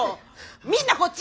見んなこっち！